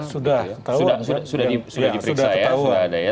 sudah diperiksa ya